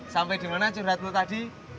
sampai dimana curhat lo tadi